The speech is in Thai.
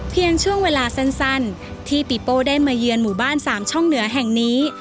ช่วงเวลาสั้นที่ปีโป้ได้มาเยือนหมู่บ้านสามช่องเหนือแห่งนี้